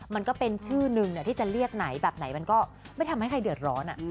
มันก็เป็นชื่อหนึ่งที่จะเรียกไหนแบบไหนมันก็ไม่ทำให้ใครเดือดร้อน